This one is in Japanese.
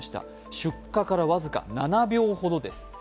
出火から僅か７秒ほどです。